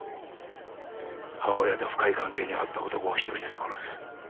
母親と深い関係にあった男を一人ずつ殺す。